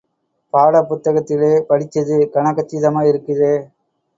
பாடப் புத்தகத்திலே படிச்சது கனகச்சிதமாக இருக்குதே!...